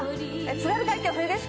「津軽海峡冬景色」